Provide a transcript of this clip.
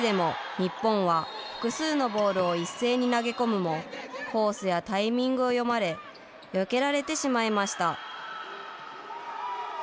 日本は複数のボールを一斉に投げ込むもコースやタイミングを読まれ、よけられてしまいました。